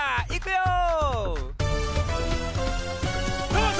いくよ！